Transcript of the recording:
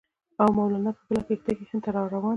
او مولنا په بله کښتۍ کې هند ته را روان دی.